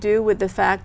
tôi cố gắng